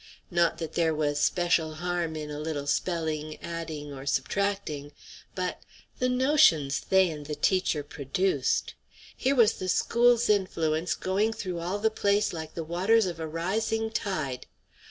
Not that there was special harm in a little spelling, adding, or subtracting, but the notions they and the teacher produced! Here was the school's influence going through all the place like the waters of a rising tide.